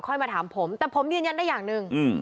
มาถามผมแต่ผมยืนยันได้อย่างหนึ่ง